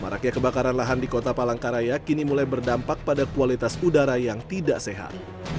maraknya kebakaran lahan di kota palangkaraya kini mulai berdampak pada kualitas udara yang tidak sehat